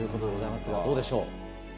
どうでしょう？